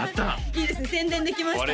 いいですね宣伝できましたね